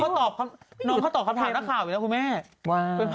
ของคุณแม่ตรงกับหนูอีก